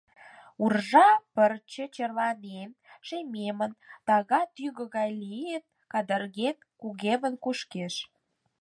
Уржа пырче, черланен, шемемын, тага тӱкӧ гай лийын, кадырген, кугемын кушкеш.